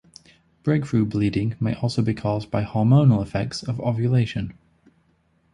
Breakthrough bleeding may also be caused by hormonal effects of ovulation.